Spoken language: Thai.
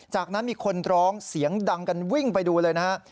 จากนั้นมีคนร้องเสียงดังกันวิ่งไปดูเลยนะฮะ